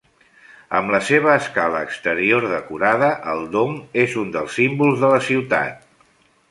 Amb la seva escala exterior decorada, el dom és un dels símbols de la ciutat.